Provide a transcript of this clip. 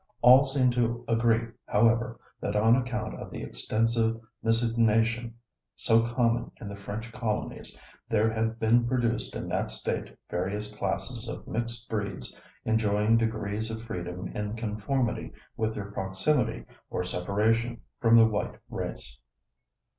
All seem to agree, however, that on account of the extensive miscegenation so common in the French colonies there had been produced in that state various classes of mixed breeds enjoying degrees of freedom in conformity with their proximity or separation from the white race.